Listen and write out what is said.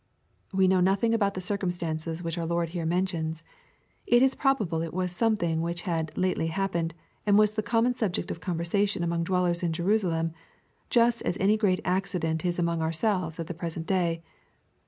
l We know nothing about the circumstance which our Lord here mentions. It is probable it was something which had lately happened, and was the common sub ject of conversation among dwellers in Jerusalem, just as any great accident is among ourselves at the present day.